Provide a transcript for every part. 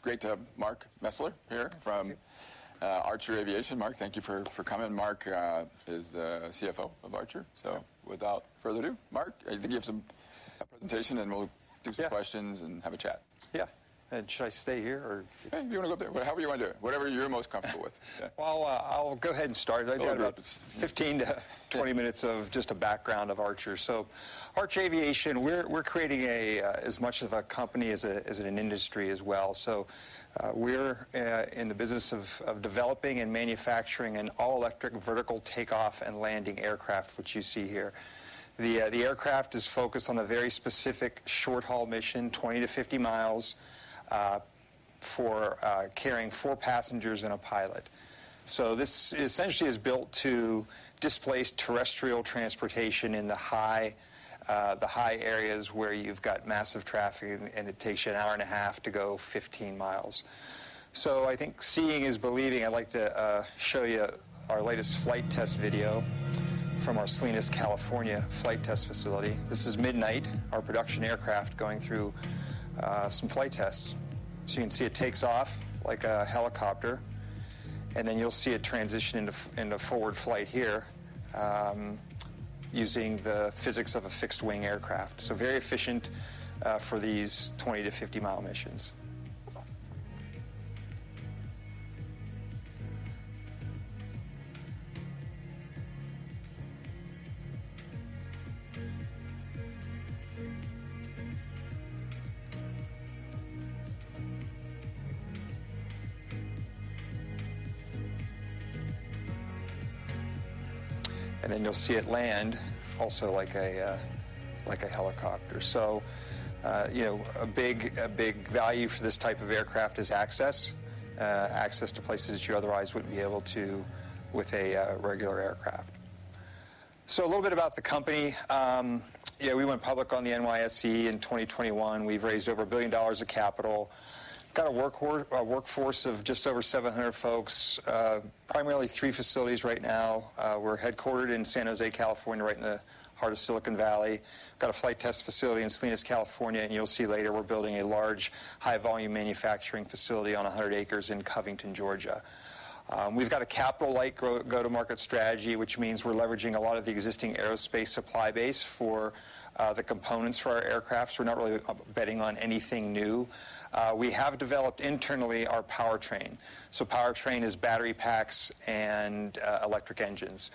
Great to have Mark Mesler here from- Thank you. Archer Aviation. Mark, thank you for coming. Mark is CFO of Archer. Yeah. Without further ado, Mark, I think you have some, a presentation, and we'll- Yeah - Do some questions and have a chat. Yeah. And should I stay here, or? If you wanna go up there. However you wanna do it. Whatever you're most comfortable with. Well, I'll go ahead and start. Go ahead, please. I've got about 15-20 minutes of just a background of Archer. So Archer Aviation, we're, we're creating a, as much of a company as a, as an industry as well. So, we're, in the business of, of developing and manufacturing an all-electric vertical take-off and landing aircraft, which you see here. The, the aircraft is focused on a very specific short-haul mission, 20 mi-50 mi, for, carrying four passengers and a pilot. So this essentially is built to displace terrestrial transportation in the high, the high areas where you've got massive traffic, and it takes you an hour and a half to go 15 mi. So I think seeing is believing. I'd like to, show you our latest flight test video from our Salinas, California, flight test facility. This is Midnight, our production aircraft, going through some flight tests. So you can see it takes off like a helicopter, and then you'll see it transition into forward flight here, using the physics of a fixed-wing aircraft. So very efficient for these 20 mi-50 mi missions. And then you'll see it land also like a helicopter. So you know, a big value for this type of aircraft is access to places that you otherwise wouldn't be able to with a regular aircraft. So a little bit about the company. Yeah, we went public on the NYSE in 2021. We've raised over $1 billion of capital. Got a workforce of just over 700 folks. Primarily three facilities right now. We're headquartered in San Jose, California, right in the heart of Silicon Valley. Got a flight test facility in Salinas, California, and you'll see later we're building a large, high-volume manufacturing facility on 100 acres in Covington, Georgia. We've got a capital-light go-to-market strategy, which means we're leveraging a lot of the existing aerospace supply base for the components for our aircrafts. We're not really betting on anything new. We have developed internally our powertrain. So powertrain is battery packs and electric engines.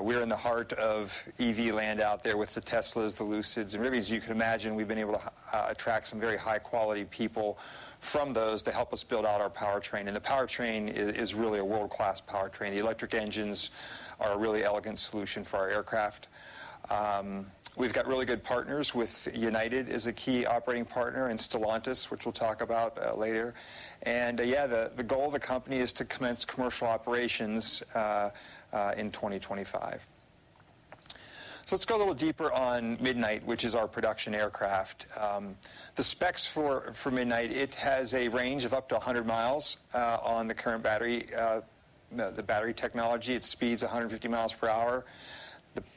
We're in the heart of EV land out there with the Teslas, the Lucids, and really, as you can imagine, we've been able to attract some very high-quality people from those to help us build out our powertrain. And the powertrain is really a world-class powertrain. The electric engines are a really elegant solution for our aircraft. We've got really good partners with United is a key operating partner, and Stellantis, which we'll talk about later. Yeah, the goal of the company is to commence commercial operations in 2025. So let's go a little deeper on Midnight, which is our production aircraft. The specs for Midnight, it has a range of up to 100 miles on the current battery, the battery technology. It speeds 150 miles per hour.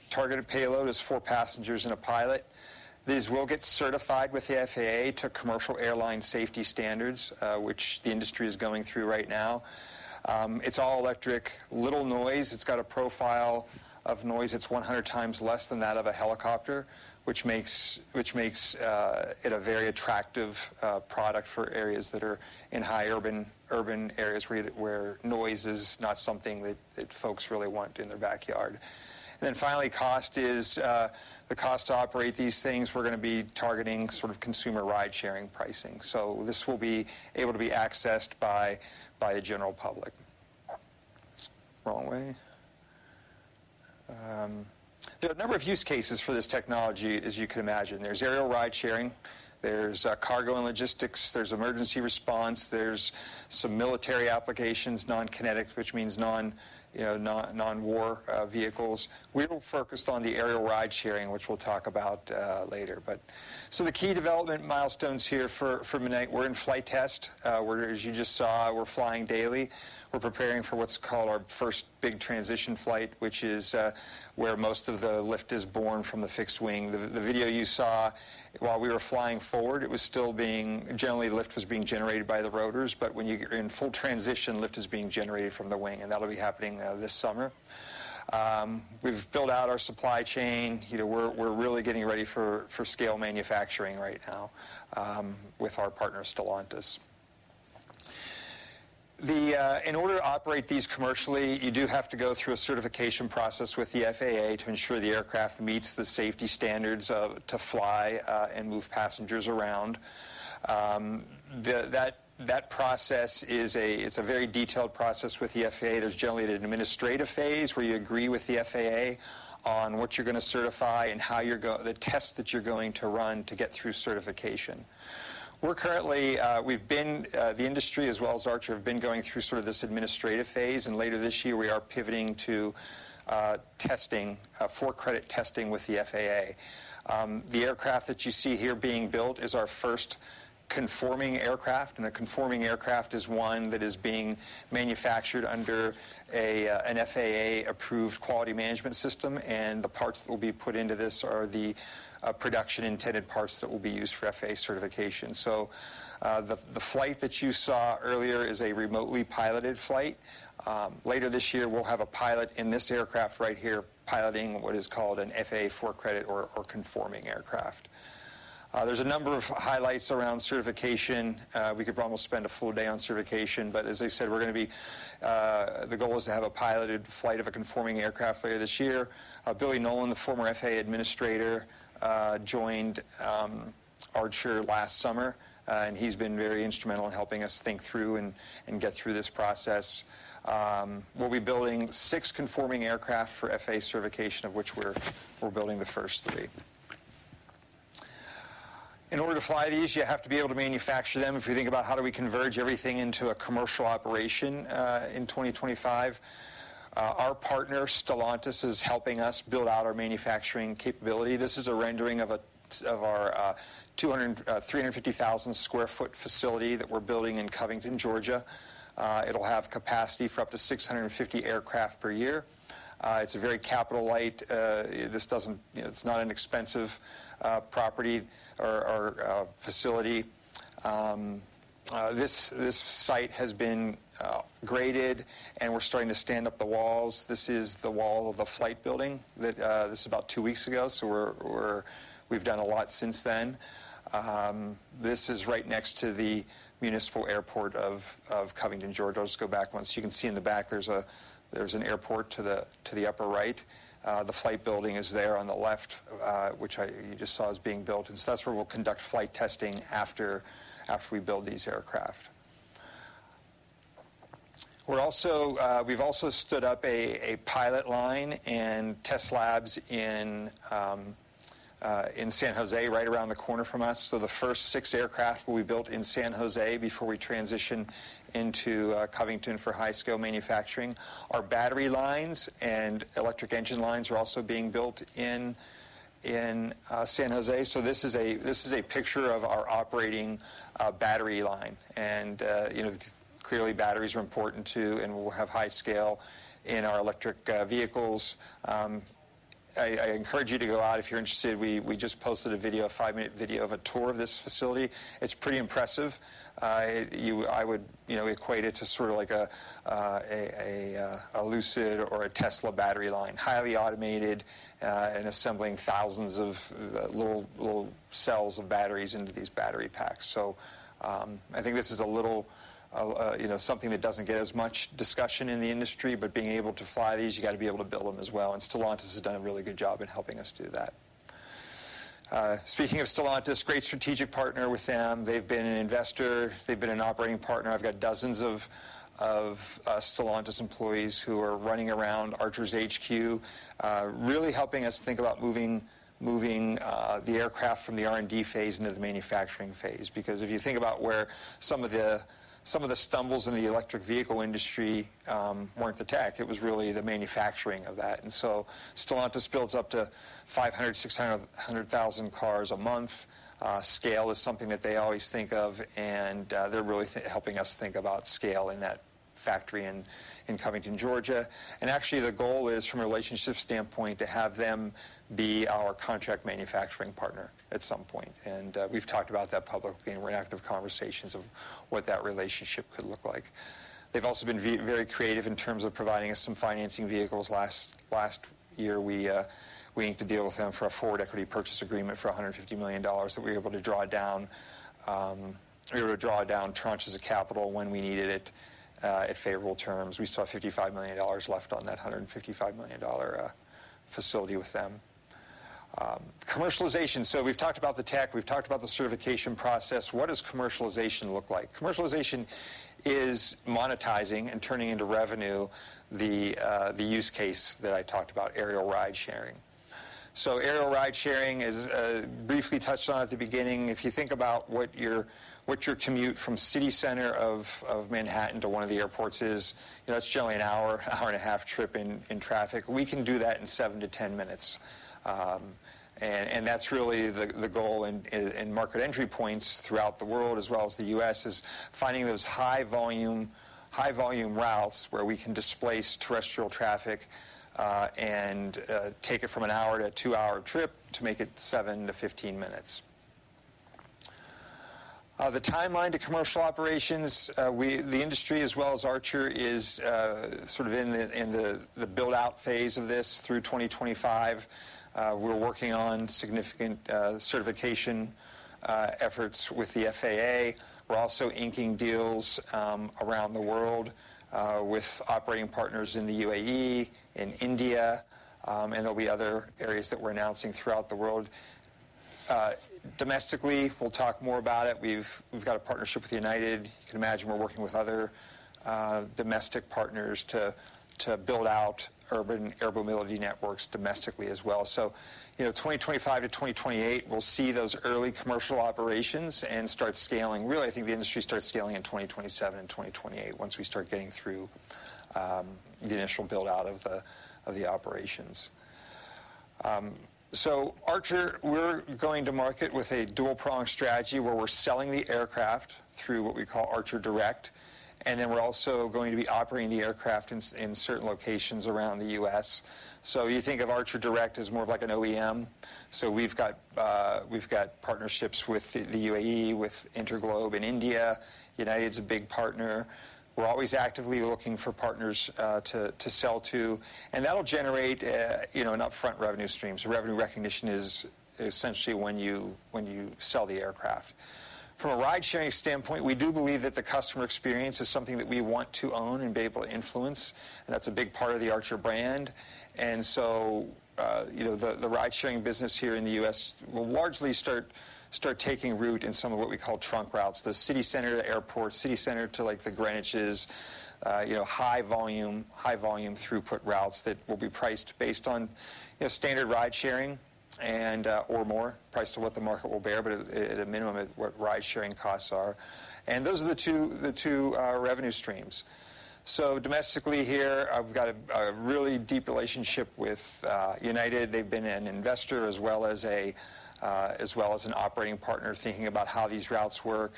The targeted payload is four passengers and a pilot. These will get certified with the FAA to commercial airline safety standards, which the industry is going through right now. It's all electric, little noise. It's got a profile of noise that's 100x less than that of a helicopter, which makes it a very attractive product for areas that are in high urban areas, where noise is not something that folks really want in their backyard. And then finally, cost is the cost to operate these things, we're gonna be targeting sort of consumer ride-sharing pricing. So this will be able to be accessed by the general public. Wrong way. There are a number of use cases for this technology, as you can imagine. There's aerial ride-sharing, there's cargo and logistics, there's emergency response, there's some military applications, non-kinetic, which means non, you know, non-war vehicles. We're focused on the aerial ride-sharing, which we'll talk about later. But... So the key development milestones here for Midnight, we're in flight test. We're, as you just saw, flying daily. We're preparing for what's called our first big transition flight, which is where most of the lift is born from the fixed wing. The video you saw while we were flying forward, it was still being... Generally, lift was being generated by the rotors. But when you're in full transition, lift is being generated from the wing, and that'll be happening this summer. We've built out our supply chain. You know, we're really getting ready for scale manufacturing right now with our partner, Stellantis. In order to operate these commercially, you do have to go through a certification process with the FAA to ensure the aircraft meets the safety standards to fly and move passengers around. That process is a very detailed process with the FAA. There's generally an administrative phase, where you agree with the FAA on what you're gonna certify and how you're going to run the tests to get through certification. The industry, as well as Archer, have been going through sort of this administrative phase, and later this year, we are pivoting to testing, for-credit testing with the FAA. The aircraft that you see here being built is our first conforming aircraft, and a conforming aircraft is one that is being manufactured under an FAA-approved quality management system, and the parts that will be put into this are the production-intended parts that will be used for FAA certification. So, the flight that you saw earlier is a remotely piloted flight. Later this year, we'll have a pilot in this aircraft right here, piloting what is called an FAA for-credit or conforming aircraft. There's a number of highlights around certification. We could probably spend a full day on certification, but as I said, we're gonna be... The goal is to have a piloted flight of a conforming aircraft later this year. Billy Nolen, the former FAA administrator, joined Archer last summer, and he's been very instrumental in helping us think through and get through this process. We'll be building six conforming aircraft for FAA certification, of which we're building the first three. In order to fly these, you have to be able to manufacture them. If you think about how do we converge everything into a commercial operation, in 2025, our partner, Stellantis, is helping us build out our manufacturing capability. This is a rendering of our 350,000 sq ft facility that we're building in Covington, Georgia. It'll have capacity for up to 650 aircraft per year. It's a very capital light. This doesn't, you know, it's not an expensive property or facility. This site has been graded, and we're starting to stand up the walls. This is the wall of the flight building. This is about two weeks ago, so we've done a lot since then. This is right next to the municipal airport of Covington, Georgia. Let's go back once. You can see in the back, there's an airport to the upper right. The flight building is there on the left, which you just saw is being built. And so that's where we'll conduct flight testing after we build these aircraft. We've also stood up a pilot line and test labs in San Jose, right around the corner from us. So the first six aircraft will be built in San Jose before we transition into Covington for high-scale manufacturing. Our battery lines and electric engine lines are also being built in San Jose. So this is a picture of our operating battery line. And, you know, clearly, batteries are important too, and we'll have high scale in our electric vehicles. I encourage you to go out if you're interested. We just posted a video, a five-minute video of a tour of this facility. It's pretty impressive. I would, you know, equate it to sort of like a Lucid or a Tesla battery line, highly automated, and assembling thousands of little cells of batteries into these battery packs. So, I think this is a little, you know, something that doesn't get as much discussion in the industry, but being able to fly these, you gotta be able to build them as well, and Stellantis has done a really good job in helping us do that. Speaking of Stellantis, great strategic partner with them. They've been an investor, they've been an operating partner. I've got dozens of Stellantis employees who are running around Archer's HQ, really helping us think about moving the aircraft from the R&D phase into the manufacturing phase. Because if you think about where some of the stumbles in the electric vehicle industry, weren't the tech, it was really the manufacturing of that. And so Stellantis builds up to 500,000-600,000 cars a month. Scale is something that they always think of, and, they're really helping us think about scale in that factory in Covington, Georgia. And actually, the goal is, from a relationship standpoint, to have them be our contract manufacturing partner at some point. And, we've talked about that publicly, and we're in active conversations of what that relationship could look like. They've also been very creative in terms of providing us some financing vehicles. Last year, we inked a deal with them for a forward equity purchase agreement for $150 million that we were able to draw down, we were able to draw down tranches of capital when we needed it, at favorable terms. We still have $55 million left on that $155 million dollar facility with them. Commercialization. So we've talked about the tech, we've talked about the certification process. What does commercialization look like? Commercialization is monetizing and turning into revenue, the use case that I talked about, aerial ride-sharing. So aerial ride-sharing is briefly touched on at the beginning. If you think about what your commute from city center of Manhattan to one of the airports is, that's generally an hour, an hour and a half trip in traffic. We can do that in seven to 10 minutes. And that's really the goal in market entry points throughout the world, as well as the U.S., is finding those high-volume routes where we can displace terrestrial traffic and take it from an hour to a two-hour trip to make it seven to 15 minutes. The timeline to commercial operations, we, the industry, as well as Archer, is sort of in the build-out phase of this through 2025. We're working on significant certification efforts with the FAA. We're also inking deals around the world with operating partners in the U.A.E., in India, and there'll be other areas that we're announcing throughout the world. Domestically, we'll talk more about it. We've got a partnership with United. You can imagine we're working with other domestic partners to build out urban air mobility networks domestically as well. So, you know, 2025-2028, we'll see those early commercial operations and start scaling. Really, I think the industry starts scaling in 2027 and 2028 once we start getting through the initial build-out of the operations. So Archer, we're going to market with a dual-prong strategy, where we're selling the aircraft through what we call Archer Direct, and then we're also going to be operating the aircraft in certain locations around the U.S. So you think of Archer Direct as more of like an OEM. So we've got, we've got partnerships with the, the U.A.E., with InterGlobe in India. United's a big partner. We're always actively looking for partners, to, to sell to, and that'll generate, you know, an upfront revenue stream. So revenue recognition is essentially when you, when you sell the aircraft. From a ridesharing standpoint, we do believe that the customer experience is something that we want to own and be able to influence, and that's a big part of the Archer brand. And so, you know, the, the ridesharing business here in the U.S. will largely start, start taking root in some of what we call trunk routes, the city center to airport, city center to, like, the Greenwich. You know, high volume, high volume throughput routes that will be priced based on, you know, standard ridesharing and, or more, priced to what the market will bear, but at, at a minimum, at what ridesharing costs are. And those are the two, the two, revenue streams. So domestically here, I've got a, a really deep relationship with, United. They've been an investor as well as a, as well as an operating partner, thinking about how these routes work.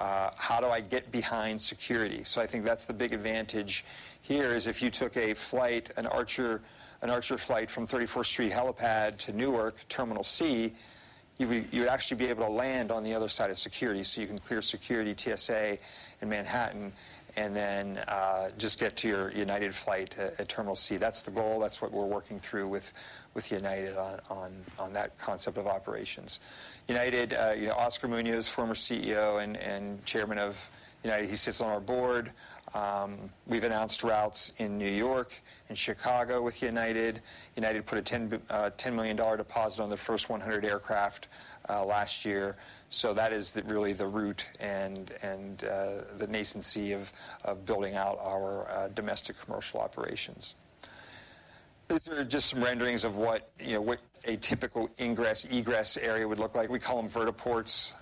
How do I get behind security? So I think that's the big advantage here is, if you took a flight, an Archer, an Archer flight from 34th Street helipad to Newark, Terminal C, you would, you'd actually be able to land on the other side of security. So you can clear security, TSA in Manhattan, and then, just get to your United flight at Terminal C. That's the goal. That's what we're working through with United on that concept of operations. United, you know, Oscar Munoz, former CEO and chairman of United, he sits on our board. We've announced routes in New York and Chicago with United. United put a $10 million deposit on the first 100 aircraft, last year, so that is really the root and the nascency of building out our domestic commercial operations. These are just some renderings of what, you know, what a typical ingress, egress area would look like. We call them vertiports.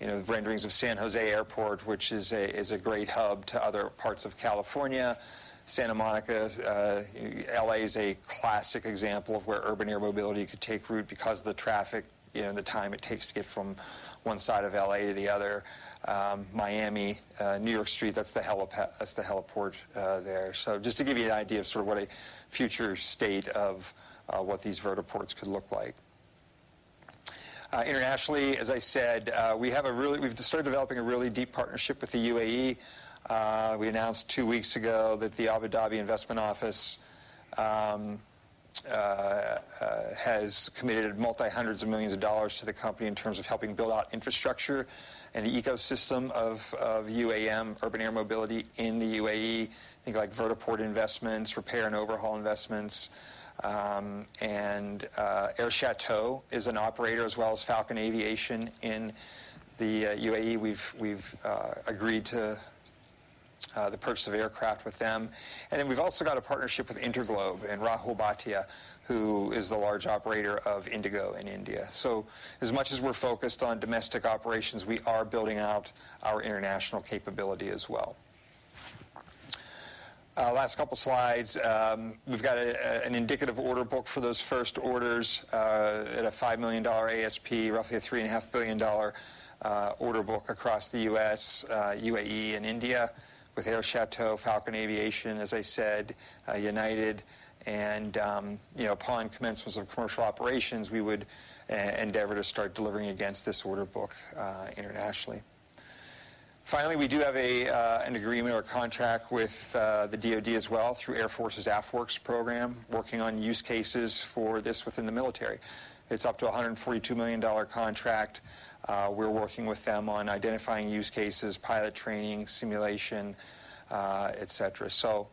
You know, renderings of San Jose Airport, which is a great hub to other parts of California. Santa Monica, LA is a classic example of where urban air mobility could take root because of the traffic, you know, and the time it takes to get from one side of LA to the other. Miami, New York Street, that's the heliport there. So just to give you an idea of sort of what a future state of what these vertiports could look like. Internationally, as I said, we have a really... We've started developing a really deep partnership with the U.A.E. We announced two weeks ago that the Abu Dhabi Investment Office has committed $multi-hundreds of millions to the company in terms of helping build out infrastructure and the ecosystem of UAM, urban air mobility, in the U.A.E. Think like vertiport investments, repair and overhaul investments. And, Air Chateau is an operator, as well as Falcon Aviation in the U.A.E. We've agreed to the purchase of aircraft with them. And then we've also got a partnership with InterGlobe and Rahul Bhatia, who is the large operator of IndiGo in India. So as much as we're focused on domestic operations, we are building out our international capability as well. Last couple slides. We've got an indicative order book for those first orders at a $5 million ASP, roughly a $3.5 billion order book across the U.S., U.A.E., and India, with Air Chateau, Falcon Aviation, as I said, United. And, you know, upon commencements of commercial operations, we would endeavor to start delivering against this order book internationally. Finally, we do have an agreement or contract with the DoD as well, through Air Force's AFWERX program, working on use cases for this within the military. It's up to a $142 million contract. We're working with them on identifying use cases, pilot training, simulation, et cetera. So,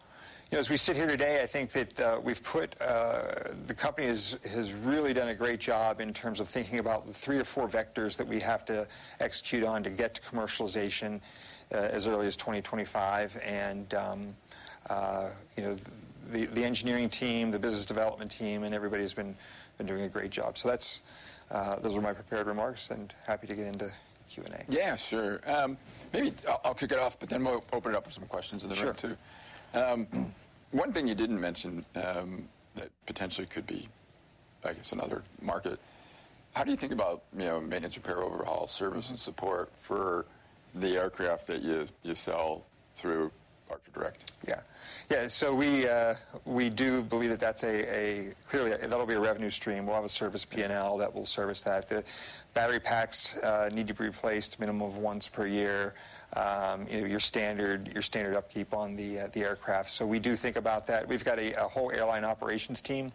you know, as we sit here today, I think that we've put... The company has really done a great job in terms of thinking about the three or four vectors that we have to execute on to get to commercialization, as early as 2025. And, you know, the engineering team, the business development team, and everybody has been doing a great job. So that's... Those are my prepared remarks, and happy to get into Q&A. Yeah, sure. Maybe I'll kick it off, but then we'll open it up for some questions in the room, too. Sure. One thing you didn't mention, that potentially could be, I guess, another market: How do you think about, you know, maintenance, repair, overhaul, service, and support for the aircraft that you sell through Archer Direct? Yeah. Yeah, so we do believe that that's a... Clearly, that'll be a revenue stream. We'll have a service P&L that will service that. The battery packs need to be replaced a minimum of once per year. You know, your standard upkeep on the aircraft, so we do think about that. We've got a whole airline operations team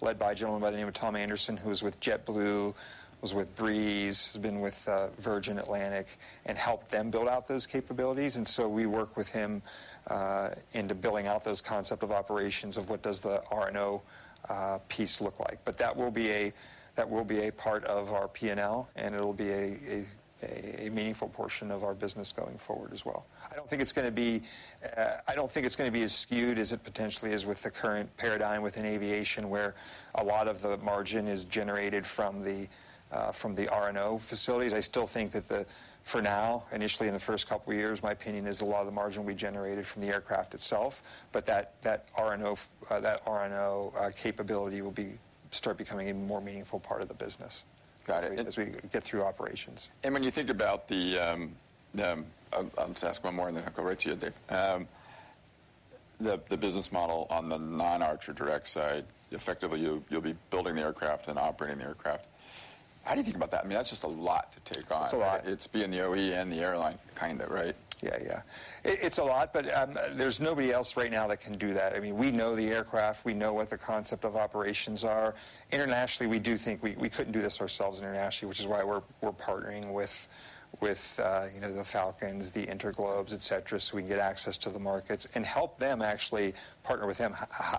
led by a gentleman by the name of Tom Anderson, who was with JetBlue, was with Breeze, has been with Virgin Atlantic and helped them build out those capabilities. And so we work with him into building out those concept of operations, of what does the R&O piece look like? But that will be a part of our P&L, and it'll be a meaningful portion of our business going forward as well. I don't think it's gonna be as skewed as it potentially is with the current paradigm within aviation, where a lot of the margin is generated from the R&O facilities. I still think that, for now, initially, in the first couple of years, my opinion is a lot of the margin will be generated from the aircraft itself, but that R&O capability will start becoming a more meaningful part of the business.... Got it. As we get through operations. When you think about the, I'll just ask one more, and then I'll go right to you, Dave. The business model on the non-Archer Direct side, effectively, you'll be building the aircraft and operating the aircraft. How do you think about that? I mean, that's just a lot to take on. It's a lot. It's being the OEM and the airline, kind of, right? Yeah, yeah. It's a lot, but there's nobody else right now that can do that. I mean, we know the aircraft, we know what the concept of operations are. Internationally, we do think we couldn't do this ourselves internationally, which is why we're partnering with you know, the Falcons, the InterGlobes, et cetera, so we can get access to the markets and help them actually partner with them.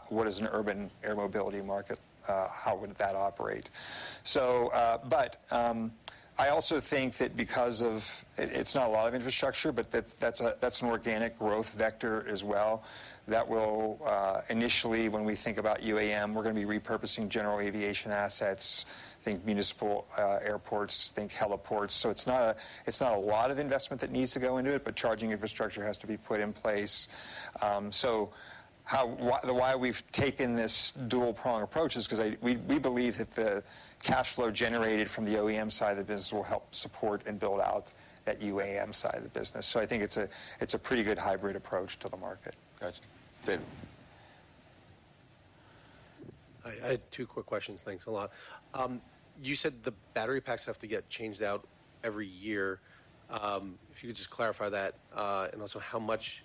What is an urban air mobility market? How would that operate? So, but I also think that because of... It's not a lot of infrastructure, but that's an organic growth vector as well, that will initially, when we think about UAM, we're gonna be repurposing general aviation assets, think municipal airports, think heliports. So it's not a, it's not a lot of investment that needs to go into it, but charging infrastructure has to be put in place. So the why we've taken this dual-prong approach is 'cause we, we believe that the cash flow generated from the OEM side of the business will help support and build out that UAM side of the business. So I think it's a, it's a pretty good hybrid approach to the market. Gotcha. David? Hi. I had two quick questions. Thanks a lot. You said the battery packs have to get changed out every year. If you could just clarify that, and also how much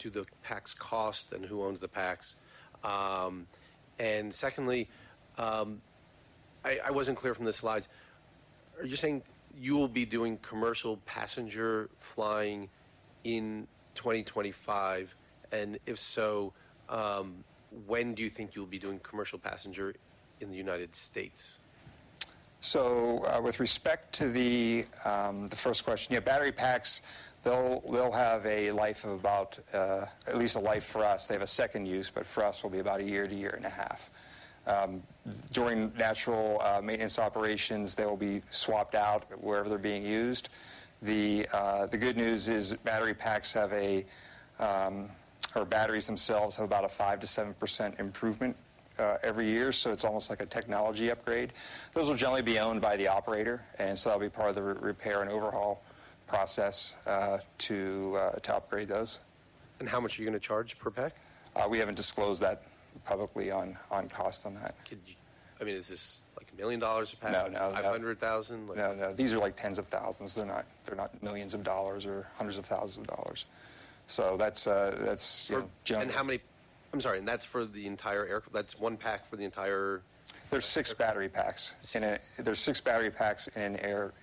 do the packs cost, and who owns the packs? And secondly, I wasn't clear from the slides, are you saying you will be doing commercial passenger flying in 2025? And if so, when do you think you'll be doing commercial passenger in the United States? So, with respect to the first question, yeah, battery packs, they'll, they'll have a life of about at least a life for us. They have a second use, but for us, will be about a year to a year and a half. During natural maintenance operations, they will be swapped out wherever they're being used. The good news is battery packs have a or batteries themselves have about a 5%-7% improvement every year, so it's almost like a technology upgrade. Those will generally be owned by the operator, and so that'll be part of the repair and overhaul process to upgrade those. How much are you gonna charge per pack? We haven't disclosed that publicly, on cost on that. I mean, is this, like, $1 million a pack? No, no. $500,000? Like- No, no. These are, like, tens of thousands. They're not, they're not millions of dollars or hundreds of thousands of dollars. So that's, that's, you know, generally- How many... I'm sorry, and that's for the entire air- that's one pack for the entire- There's six battery packs in an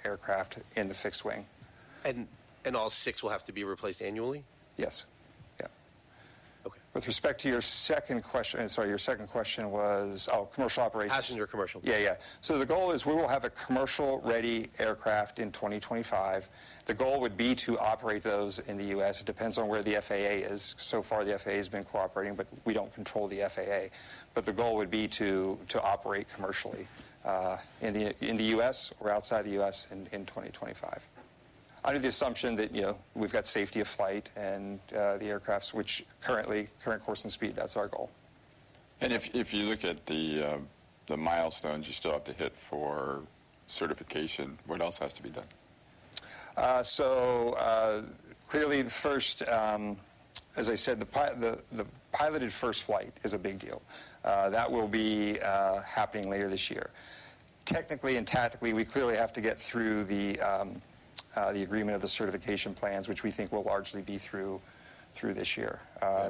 aircraft, in the fixed wing. all six will have to be replaced annually? Yes. Yeah. Okay. With respect to your second question, sorry, your second question was, oh, commercial operations. Passenger commercial. Yeah, yeah. So the goal is, we will have a commercial-ready aircraft in 2025. The goal would be to operate those in the U.S. It depends on where the FAA is. So far, the FAA has been cooperating, but we don't control the FAA. But the goal would be to operate commercially in the U.S. or outside the U.S., in 2025. Under the assumption that, you know, we've got safety of flight and the aircraft's, which currently, current course and speed, that's our goal. If you look at the milestones you still have to hit for certification, what else has to be done? So, clearly, the first. As I said, the piloted first flight is a big deal. That will be happening later this year. Technically and tactically, we clearly have to get through the agreement of the certification plans, which we think will largely be through this year.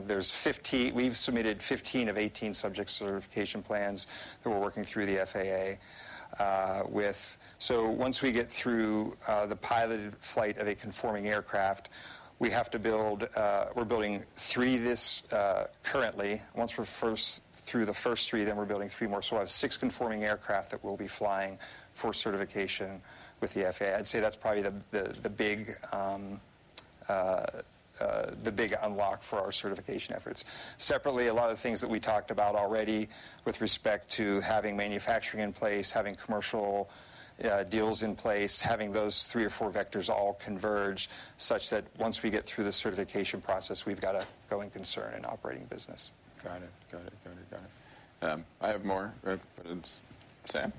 We've submitted 15 of 18 subject certification plans that we're working through the FAA with. So once we get through the piloted flight of a conforming aircraft, we have to build. We're building three currently. Once we're through the first three, then we're building three more. So we'll have six conforming aircraft that we'll be flying for certification with the FAA. I'd say that's probably the big unlock for our certification efforts. Separately, a lot of the things that we talked about already with respect to having manufacturing in place, having commercial deals in place, having those three or four vectors all converge, such that once we get through the certification process, we've got a going concern in operating business. Got it. Got it, got it, got it. I have more, but Sam?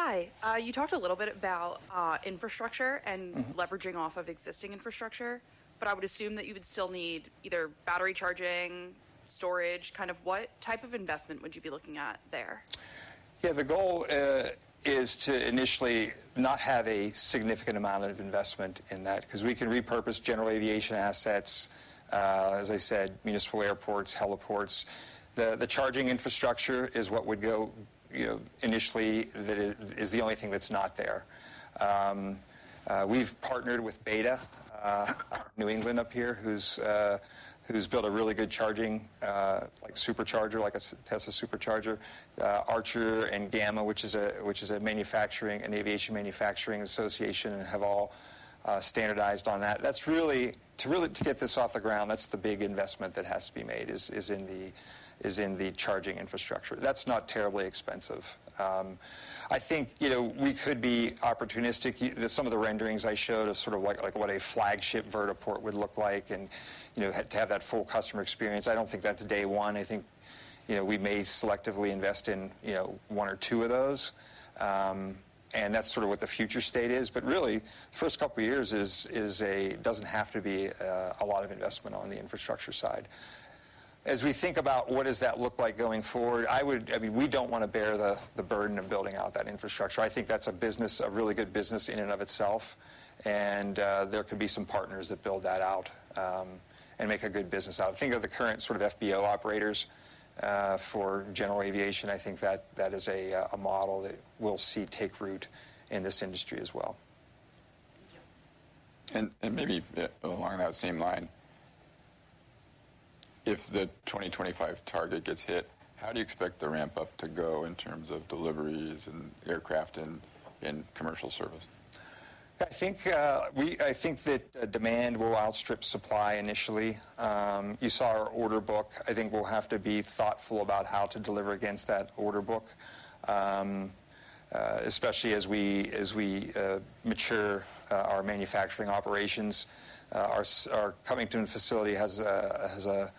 Hi, you talked a little bit about infrastructure and- Mm-hmm... leveraging off of existing infrastructure, but I would assume that you would still need either battery charging, storage, kind of what type of investment would you be looking at there? Yeah, the goal is to initially not have a significant amount of investment in that, 'cause we can repurpose general aviation assets, as I said, municipal airports, heliports. The charging infrastructure is what would go, you know, initially that is the only thing that's not there. We've partnered with BETA, New England up here, who's built a really good charging like Supercharger, like a Tesla Supercharger. Archer and GAMA, which is a manufacturing and aviation manufacturing association, and have all standardized on that. That's really to get this off the ground, that's the big investment that has to be made, is in the charging infrastructure. That's not terribly expensive. I think, you know, we could be opportunistic. Yeah, some of the renderings I showed are sort of like, like what a flagship vertiport would look like and, you know, had to have that full customer experience. I don't think that's day one. I think, you know, we may selectively invest in, you know, one or two of those. And that's sort of what the future state is. But really, first couple of years doesn't have to be a lot of investment on the infrastructure side. As we think about what does that look like going forward, I would, I mean, we don't want to bear the burden of building out that infrastructure. I think that's a business, a really good business in and of itself, and there could be some partners that build that out, and make a good business out. Think of the current sort of FBO operators, for general aviation. I think that is a model that we'll see take root in this industry as well. Thank you. Maybe along that same line, if the 2025 target gets hit, how do you expect the ramp up to go in terms of deliveries and aircraft in commercial service? I think that demand will outstrip supply initially. You saw our order book. I think we'll have to be thoughtful about how to deliver against that order book. Especially as we mature our manufacturing operations. Our Covington facility has a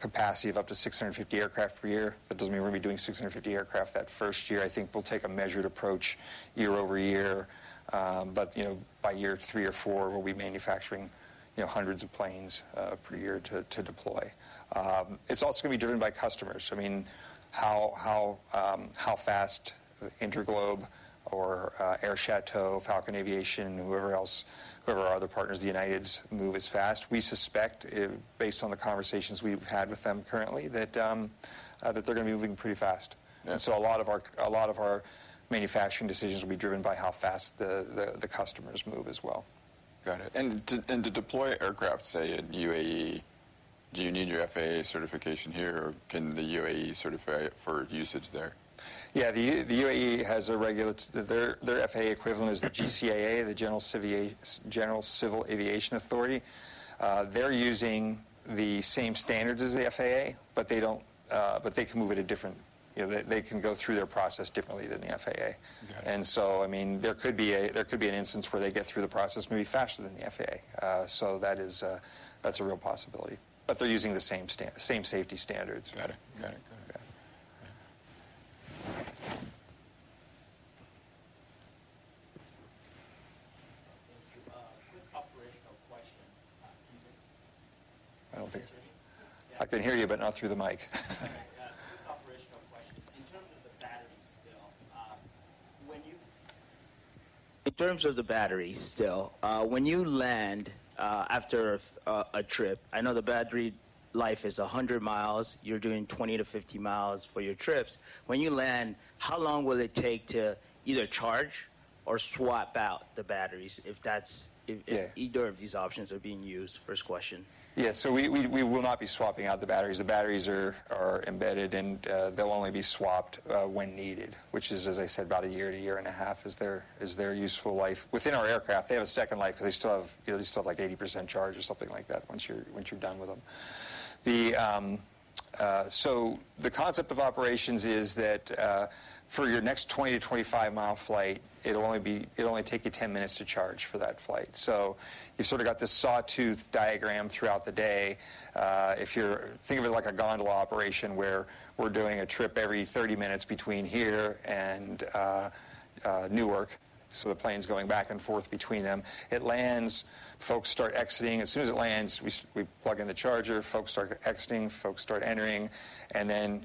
capacity of up to 650 aircraft per year, but doesn't mean we're gonna be doing 650 aircraft that first year. I think we'll take a measured approach year over year. But you know, by year three or four, we'll be manufacturing you know, hundreds of planes per year to deploy. It's also gonna be driven by customers. I mean, how fast InterGlobe or Air Chateau, Falcon Aviation, whoever else, whoever our other partners, the Uniteds, move as fast. We suspect, based on the conversations we've had with them currently, that they're gonna be moving pretty fast. Yeah. A lot of our manufacturing decisions will be driven by how fast the customers move as well. Got it. And to deploy aircraft, say, in U.A.E., do you need your FAA certification here, or can the U.A.E. certify it for usage there? Yeah, the U.A.E. has a regulat... Their FAA equivalent is the GCAA, the General Civil Aviation Authority. They're using the same standards as the FAA, but they don't... but they can move at a different, you know, they can go through their process differently than the FAA. Got it. I mean, there could be an instance where they get through the process maybe faster than the FAA. So that is, that's a real possibility, but they're using the same safety standards. Got it. Got it, got it. Yeah. Thank you. Quick operational question, can you hear me? I don't think. Can you hear me? I can hear you, but not through the mic. Yeah, quick operational question. In terms of the battery still, when you land after a trip, I know the battery life is 100 mi. You're doing 20 mi-50 mi for your trips. When you land, how long will it take to either charge or swap out the batteries, if that's- Yeah. If either of these options are being used? First question. Yeah, so we will not be swapping out the batteries. The batteries are embedded, and they'll only be swapped when needed, which is, as I said, about a year to a year and a half is their useful life. Within our aircraft, they have a second life because they still have, you know, they still have, like, 80% charge or something like that once you're done with them. So the concept of operations is that, for your next 20 mi-25-mi flight, it'll only take you 10 minutes to charge for that flight. So you've sort of got this sawtooth diagram throughout the day. Think of it like a gondola operation, where we're doing a trip every 30 minutes between here and Newark, so the plane's going back and forth between them. It lands, folks start exiting. As soon as it lands, we plug in the charger, folks start exiting, folks start entering, and then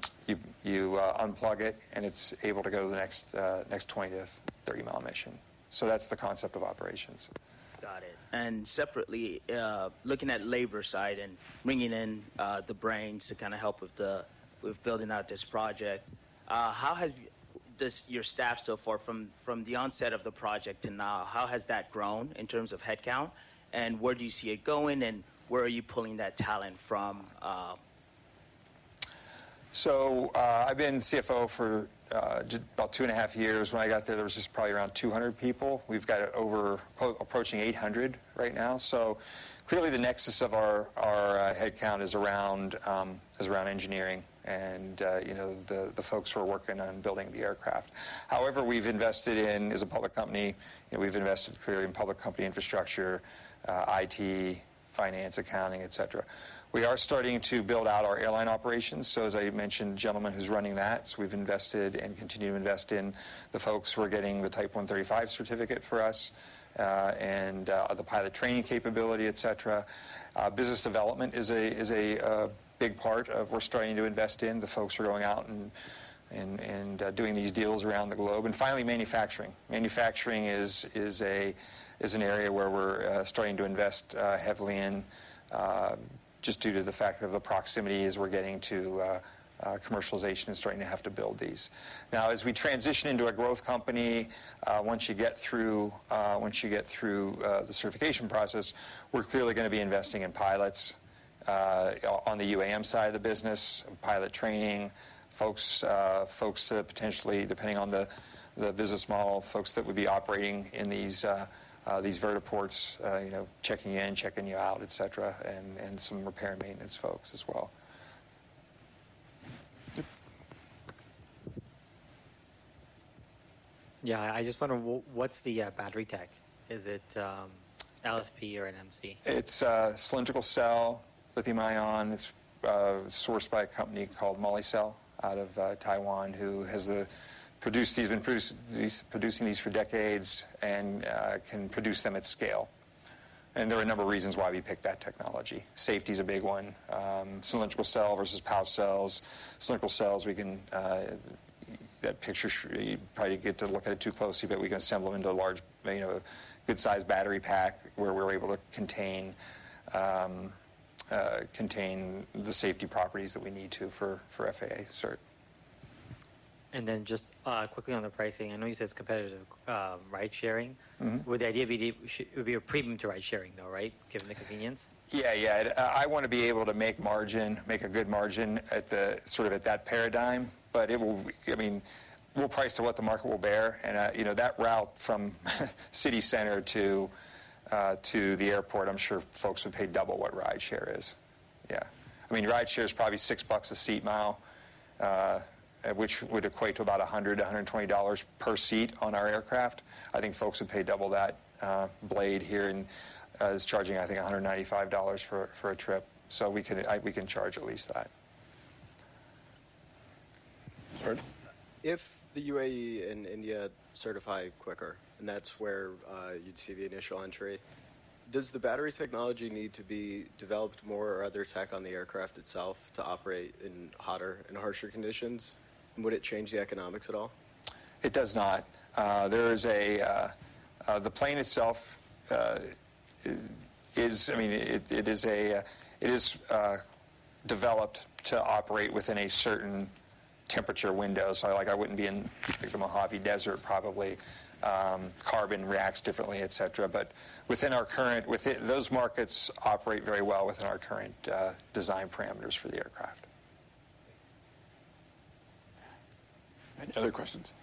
you unplug it, and it's able to go to the next 20 mi-30-mi mission. So that's the concept of operations. Got it. And separately, looking at labor side and bringing in the brains to kind of help with building out this project, how has your staff so far, from the onset of the project to now, grown in terms of headcount, and where do you see it going, and where are you pulling that talent from? So, I've been CFO for about two and a half years. When I got there, there was just probably around 200 people. We've got it over approaching 800 right now. So clearly, the nexus of our headcount is around, is around engineering and, you know, the folks who are working on building the aircraft. However, we've invested in, as a public company, you know, we've invested clearly in public company infrastructure, IT, finance, accounting, et cetera. We are starting to build out our airline operations, so as I mentioned, the gentleman who's running that. So we've invested and continue to invest in the folks who are getting the Part 135 certificate for us, and the pilot training capability, et cetera. Business development is a big part of we're starting to invest in, the folks who are going out and doing these deals around the globe. And finally, manufacturing. Manufacturing is an area where we're starting to invest heavily in, just due to the fact of the proximity as we're getting to commercialization and starting to have to build these. Now, as we transition into a growth company, once you get through the certification process, we're clearly gonna be investing in pilots, on the UAM side of the business, pilot training, folks, folks that potentially, depending on the business model, folks that would be operating in these vertiports, you know, checking you in, checking you out, et cetera, and some repair and maintenance folks as well.... Yeah, I just wonder what's the battery tech? Is it LFP or an MC? It's a cylindrical cell, lithium ion. It's sourced by a company called Molicel, out of Taiwan, who has been producing these for decades and can produce them at scale. And there are a number of reasons why we picked that technology. Safety is a big one. Cylindrical cell versus pouch cells. Cylindrical cells, we can, you probably get to look at it too closely, but we can assemble them into a large, you know, a good-sized battery pack, where we're able to contain the safety properties that we need to for FAA cert. And then just, quickly on the pricing, I know you said it's competitive, ride sharing. Mm-hmm. Would the idea be that it would be a premium to ride sharing, though, right? Given the convenience. Yeah, yeah. I wanna be able to make margin, make a good margin at the, sort of at that paradigm. But it will, I mean, we'll price to what the market will bear. And, you know, that route from city center to, to the airport, I'm sure folks would pay double what ride share is. Yeah. I mean, ride share is probably $6 a seat mile, which would equate to about $100, $120 dollars per seat on our aircraft. I think folks would pay double that. Blade here in, is charging, I think, $195 for a trip, so we can, we can charge at least that. Sorry. If the U.A.E. and India certify quicker, and that's where you'd see the initial entry, does the battery technology need to be developed more, or other tech on the aircraft itself, to operate in hotter and harsher conditions? And would it change the economics at all? It does not. The plane itself, I mean, it is developed to operate within a certain temperature window. So, like, I wouldn't be in the Mojave Desert, probably. Carbon reacts differently, et cetera. But within our current, those markets operate very well within our current design parameters for the aircraft. Any other questions?